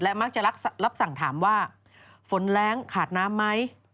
มักจะรับสั่งถามว่าฝนแรงขาดน้ำไหม